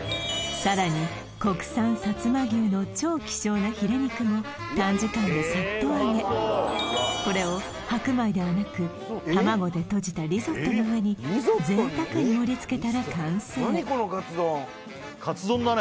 さらに国産薩摩牛の超希少なヒレ肉も短時間でサッと揚げこれを白米ではなく卵でとじたリゾットの上に贅沢に盛りつけたら完成カツ丼だね